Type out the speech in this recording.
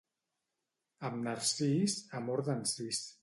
Amb narcís, amor d'encís.